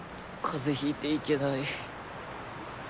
風邪引いて行けない」。